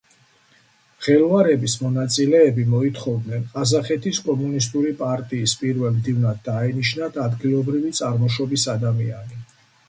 მღელვარების მონაწილეები მოითხოვდნენ ყაზახეთის კომუნისტური პარტიის პირველი მდივნად დაენიშნათ ადგილობრივი წარმოშობის ადამიანი.